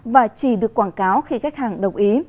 và chỉ được quảng cáo khi khách hàng đồng ý